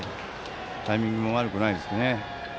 タイミングも悪くないですね。